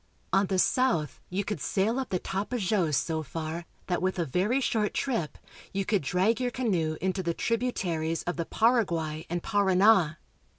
On the south you could sail up the Tapajos so far that, with a very short trip, you could drag your canoe into the tributaries of the Paraguay and Parana.